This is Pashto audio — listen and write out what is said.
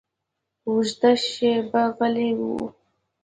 اوږده شېبه غلی و.